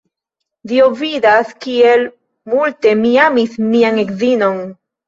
Dio vidas, kiel multe mi amis mian edzinon!